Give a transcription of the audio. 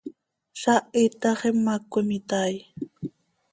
Zaah iitax imac cöimitai.